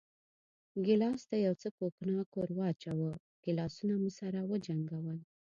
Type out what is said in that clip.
ګیلاس ته یو څه کوګناک ور واچوه، ګیلاسونه مو سره وجنګول.